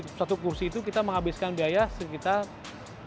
kursi jadi satu kursi itu kita menghabiskan biaya sekitar tujuh rupiah